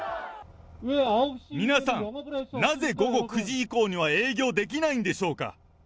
皆さん、なぜ午後９時以降には営業できないんでしょうか。